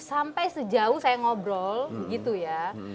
sampai sejauh saya ngobrol gitu ya